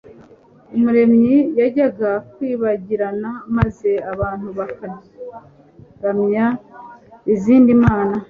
Umuremyi yajyaga kwibagirana maze abantu bakaramya izindi mana